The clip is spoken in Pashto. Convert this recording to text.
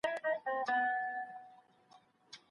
سیاستوال څنګه په بهرنیو چارو کي خپلواکي ساتي؟